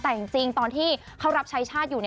แต่จริงตอนที่เขารับใช้ชาติอยู่